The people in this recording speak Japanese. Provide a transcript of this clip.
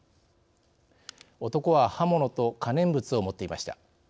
男は刃物と可燃物を持っていました。